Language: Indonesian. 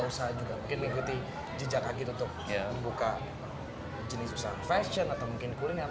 mungkin juga mengikuti jejak agit untuk membuka jenis usaha fashion atau kuliner